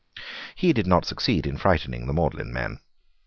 He did not succeed in frightening the Magdalene men.